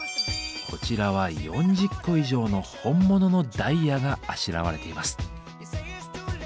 こちらは４０個以上の本物のダイヤがあしらわれています。